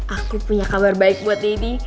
aku punya kabar baik buat deddy